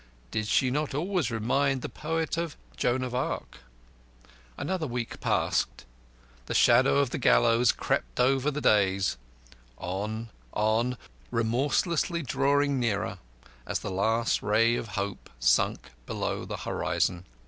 Did she not always remind the poet of Joan of Arc? Another week passed; the shadow of the gallows crept over the days; on, on, remorselessly drawing nearer, as the last ray of hope sank below the horizon.